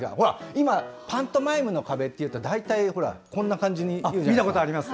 今パントマイムの壁っていうと大体、こんな感じにやるじゃないですか。